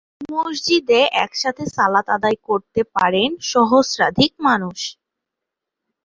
এই মসজিদে একসাথে সালাত আদায় করতে পারেন সহস্রাধিক মানুষ।